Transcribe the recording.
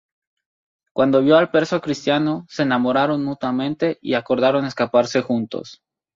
Cuando vio al preso cristiano, se enamoraron mutuamente y acordaron escaparse juntos.